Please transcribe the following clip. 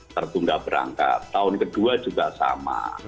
tertunda berangkat tahun kedua juga sama